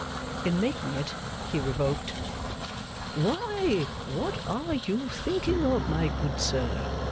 In making it, he revoked. 'Why, what are you thinking of, my good sir?